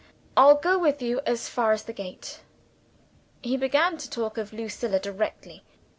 "I'll go with you as far as the gate." He began to talk of Lucilla directly.